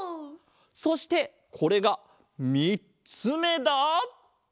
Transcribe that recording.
そしてこれがみっつめだ！